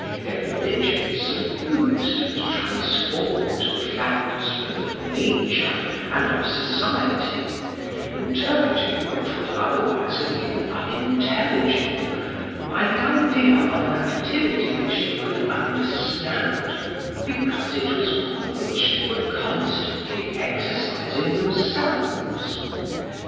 Their religion suffused and transformed the facts both of nature and of society, interpreting what would otherwise have been unintelligible by the idea of an activity which they could understand because it was one which they were constantly exercising themselves.